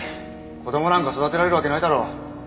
子供なんか育てられるわけないだろ。